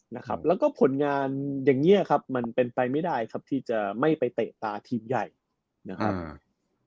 นะครับแล้วก็ผลงานอย่างเงี้ยครับมันเป็นไปไม่ได้ครับที่จะไม่ไปเตะตาทีมใหญ่นะครับอืม